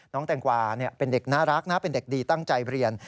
แตงกวาเป็นเด็กน่ารักนะเป็นเด็กดีตั้งใจเรียน